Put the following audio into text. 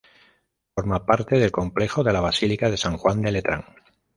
Forma parte del complejo de la basílica de San Juan de Letrán.